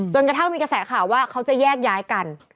กระทั่งมีกระแสข่าวว่าเขาจะแยกย้ายกัน